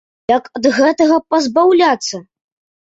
Як ад гэтага пазбаўляцца?